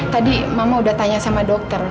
tadi mama udah tanya sama dokter